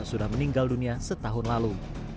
sudah meninggal dunia setahun lalu